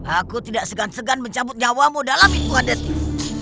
aku tidak segan segan mencabut nyawamu dalam hitungan detik